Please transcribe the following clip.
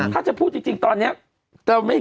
ถ้าจะพูดจริงตอนนี้